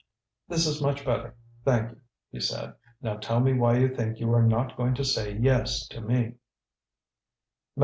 "This is much better, thank you," he said. "Now tell me why you think you are not going to say 'yes' to me."